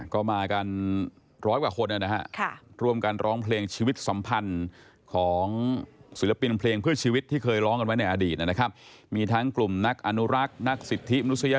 เพื่อนเราพบกล่าวถึงความรู้สึกเป็นเพียรสามารถสำนึงในการห่วงหาอาทธิบดี